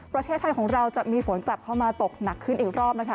ประเทศไทยของเราจะมีฝนกลับเข้ามาตกหนักขึ้นอีกรอบนะคะ